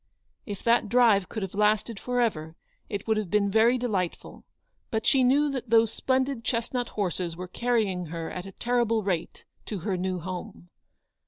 If that drive could have lasted for ever, it would have been very delightful; but she knew that those splendid chestnut horses were carrying her at a terrible rate to her new home.